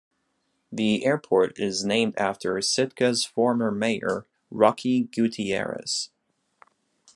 The airport is named after Sitka's former mayor Rocky Gutierrez.